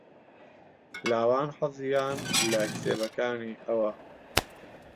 لاوان حەزیان لە کتێبەکانی ئەوە.